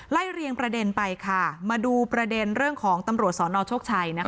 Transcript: เรียงประเด็นไปค่ะมาดูประเด็นเรื่องของตำรวจสนโชคชัย